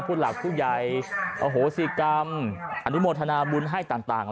ผู้หลักผู้ใหญ่อโหสิกรรมอนุโมทนาบุญให้ต่าง